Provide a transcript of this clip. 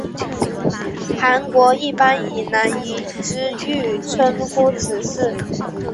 韩国一般以南怡之狱称呼此事。